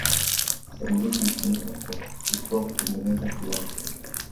Serengeti ilitumika kama jukwaa kutengeneza filamu